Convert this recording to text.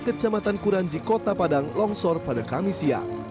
kecamatan kuranji kota padang longsor pada kamis siang